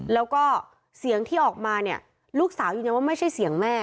แล้วก็เสียงที่ออกมาเนี่ยลูกสาวยืนยันว่าไม่ใช่เสียงแม่